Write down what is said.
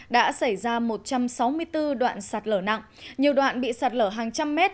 đã xảy ra một trăm sáu mươi bốn đoạn sạt lở nặng nhiều đoạn bị sạt lở hàng trăm mét